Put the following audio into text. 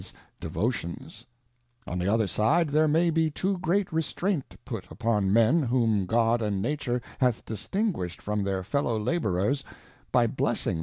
75 promote Mens Devotions : On the other side^ there may be too great Restraint put upon Men, whom God and Nature hath distinguished from their Fellow Labourers, by blessing!